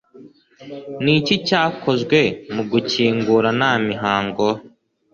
Niki cyakozwe mugukingura nta mihango